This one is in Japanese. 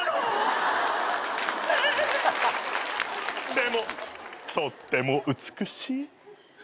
でもとっても美しい。